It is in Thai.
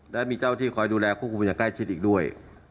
และมีเจ้าที่คอยดูแลควบคุมอย่างใกล้ชิดอีกด้วย